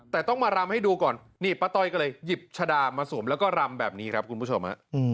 แต่ต้องมารำให้ดูก่อนนี่ป้าต้อยก็เลยหยิบชะดามาสวมแล้วก็รำแบบนี้ครับคุณผู้ชมฮะ